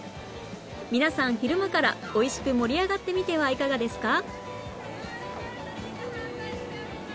皆さん昼間からおいしく盛り上がってみてはいかがですか？